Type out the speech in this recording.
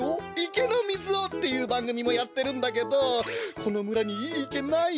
池の水を！」っていうばんぐみもやってるんだけどこのむらにいいいけない？